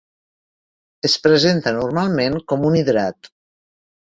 Es presenta normalment com un hidrat.